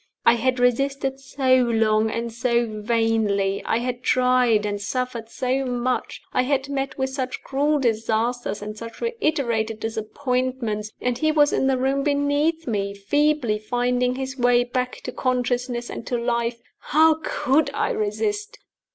I had resisted so long and so vainly; I had tried and suffered so much; I had met with such cruel disasters and such reiterated disappointments and he was in the room beneath me, feebly finding his way back to consciousness and to life how could I resist?